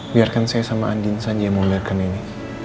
biar kan saya sama andien saja yang mau melakukan ini